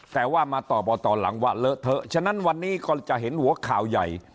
แต่ว่ามาตอบว่าตอนหลังว่าเลอะเถอะฉะนั้นวันนี้ก็จะเห็นหัวข่าวใหญ่